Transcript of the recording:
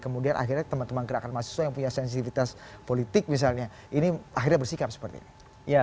kemudian akhirnya teman teman gerakan mahasiswa yang punya sensitivitas politik misalnya ini akhirnya bersikap seperti ini